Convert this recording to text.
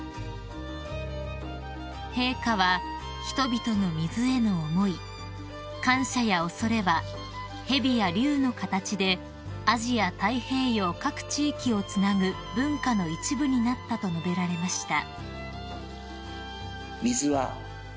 ［陛下は「人々の水への思い感謝や畏れは蛇や竜の形でアジア太平洋各地域をつなぐ文化の一部になった」と述べられました］